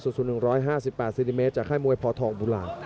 ๑๕๘ซีนิเมตรจากค่ายมวยพอร์ททองบุราณ